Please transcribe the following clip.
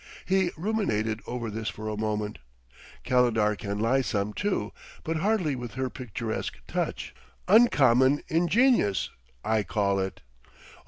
He ruminated over this for a moment. "Calendar can lie some, too; but hardly with her picturesque touch.... Uncommon ingenious, I call it.